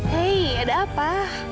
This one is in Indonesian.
hei ada apa